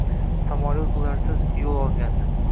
Samolet ularsiz yul olgandi